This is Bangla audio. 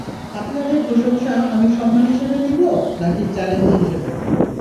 আপনার এই প্রশংসা আমি সম্মান হিসেবে নিবো নাকি চ্যালেঞ্জ হিসেবে?